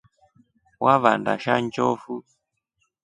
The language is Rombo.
Wavanda sha njofu.